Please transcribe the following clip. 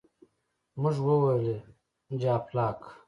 موږ وویل، جاپلاک.